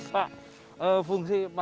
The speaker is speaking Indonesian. bagaimana fungsi garam di desa cibre